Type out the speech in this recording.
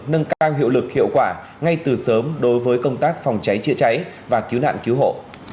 nâng cao hiệu lực hiệu quả ngay từ sớm đối với công tác phòng cháy chữa cháy và cứu nạn cứu hộ